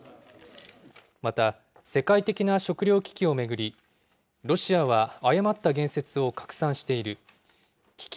また世界的な食料危機を巡り、ロシアは誤った言説を拡散している。